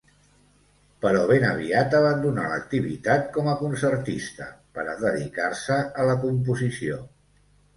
Però ben aviat abandonà l'activitat com a concertista per a dedicar-se a la composició.